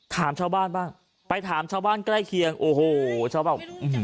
ถามชาวบ้านบ้างไปถามชาวบ้านใกล้เคียงโอ้โหชาวบ้านบอก